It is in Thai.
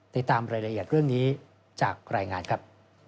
ติดตามรายละเอียดเรื่องนี้จากรายงานครับ